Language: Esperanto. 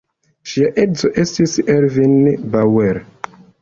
Ŝia edzo estis Ervin Bauer.